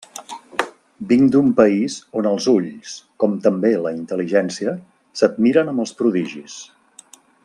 Vinc d'un país on els ulls, com també la intel·ligència, s'admiren amb els prodigis.